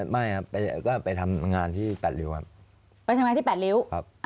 ไม่หรอไปทำงานที่แปดริ้ว